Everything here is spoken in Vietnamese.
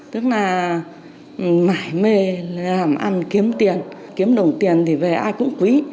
tức là mải mê làm ăn kiếm tiền kiếm đồng tiền thì về ai cũng quý